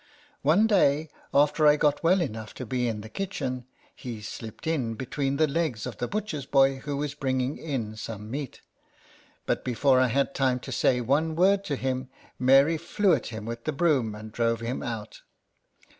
One day, after I got well enough to be in the kitchen, he slipped in, between the legs of the butcher's boy who was bringing in some meat; but before I had time to say one word to him, Mary flew at him with the broom, and drove him out.